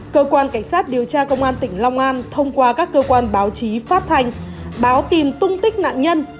cơ quan cảnh sát điều tra công an tỉnh long an thông qua các cơ quan báo chí phát thanh báo tin tung tích nạn nhân